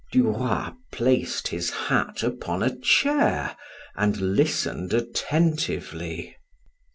Du Roy placed his hat upon a chair and listened attentively.